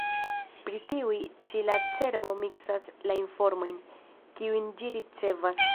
Pri tiuj ĉi la cerbo miksas la informojn, kiujn ĝi ricevas.